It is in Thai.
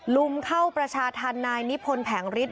รุมเข้าประชาธารนายนิพลแผงฤทธิ์